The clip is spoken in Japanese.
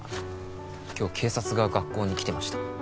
今日警察が学校に来てました。